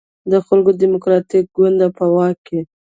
د خلکو دیموکراتیک ګوند په واک کې.